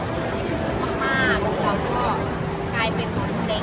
ช่องความหล่อของพี่ต้องการอันนี้นะครับ